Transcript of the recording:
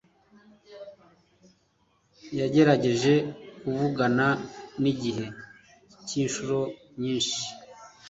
Yagerageje kuvugana nigihe cye inshuro nyinshi.